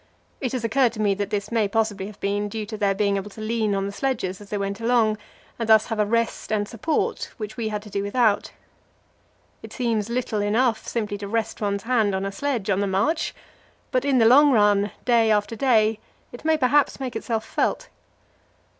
It has occurred to me that this may possibly have been due to their being able to lean on the sledges as they went along, and thus have a rest and support which we had to do without. It seems little enough simply to rest one's hand on a sledge on the march, but in the long run, day after day, it may perhaps make itself felt.